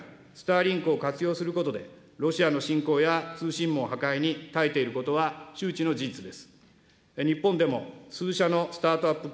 またウクライナがスターリンクを活用することで、ロシアの侵攻や通信網破壊にたえていることは周知の事実です。